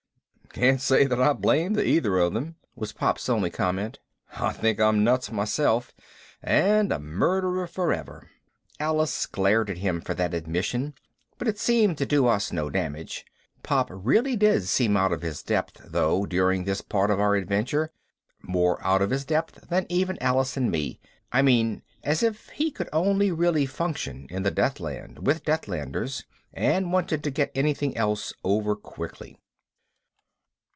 "Can't say that I blame the either of them," was Pop's only comment. "I think I'm nuts myself and a murderer forever." Alice glared at him for that admission, but it seemed to do us no damage. Pop really did seem out of his depth though during this part of our adventure, more out of his depth than even Alice and me I mean, as if he could only really function in the Deathland with Deathlanders and wanted to get anything else over quickly.